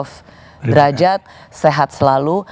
prof derajat sehat selalu